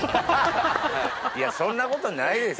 そんなことないです。